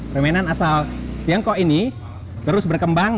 permainan asal tiongkok ini terus berkembang